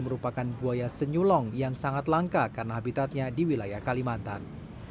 merupakan buaya senyulong yang sangat langka karena habitatnya di wilayah kalimantan